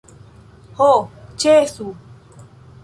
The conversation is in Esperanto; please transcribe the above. Ho, ĉesu!